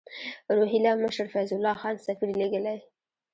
روهیله مشر فیض الله خان سفیر لېږلی.